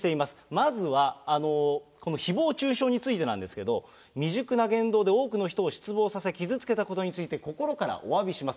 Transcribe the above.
まずは、このひぼう中傷についてなんですけども、未熟な言動で多くの人を失望させ、傷つけたことについて、心からおわびします。